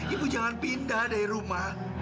ibu jangan pindah dari rumah